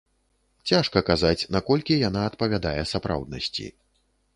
Цяжка казаць, наколькі яна адпавядае сапраўднасці.